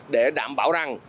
để đảm bảo rằng